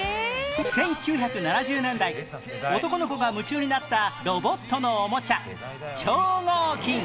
１９７０年代男の子が夢中になったロボットのおもちゃ「超合金」